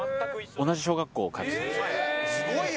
同じ小学校、通ってたんですよ。